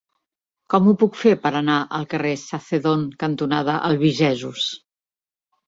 Com ho puc fer per anar al carrer Sacedón cantonada Albigesos?